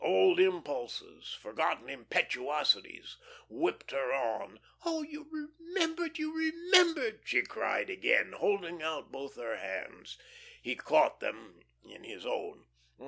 Old impulses, forgotten impetuosities whipped her on. "Oh, you remembered, you remembered!" she cried again, holding out both her hands. He caught them in his own.